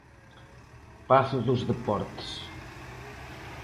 Pazo dos Deportes.